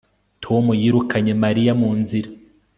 Tom yirukanye Mariya mu nzira